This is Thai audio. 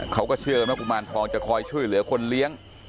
เขาก็เชื่อกันว่ากุมารทองจะคอยช่วยเหลือคนเลี้ยง